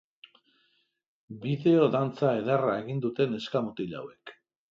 Bideo dantza ederra egin dute neska-mutil hauek.